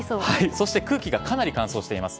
そして空気がかなり乾燥しています。